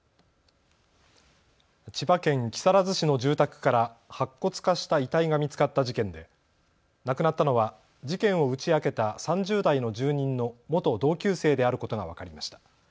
千葉県木更津市の住宅から白骨化した遺体が見つかった事件で亡くなったのは事件を打ち明けた３０代の住人の元同級生であることが分かりました。